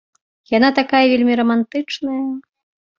Яна такая вельмі рамантычная.